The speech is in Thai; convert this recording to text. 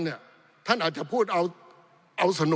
ปี๑เกณฑ์ทหารแสน๒